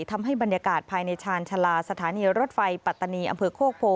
ทำให้บรรยากาศภายในชาญชาลาสถานีรถไฟปัตตานีอำเภอโคกโพ